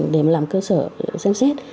để làm cơ sở xem xét